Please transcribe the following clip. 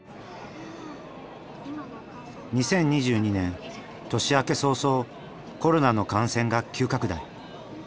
２０２２年年明け早々コロナの感染が急拡大。